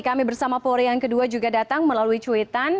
kami bersama polri yang kedua juga datang melalui cuitan